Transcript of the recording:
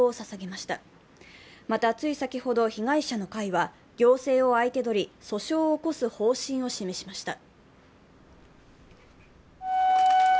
また、つい先ほど被害者の会は、行政を相手取り訴訟を起こす方針を示しました。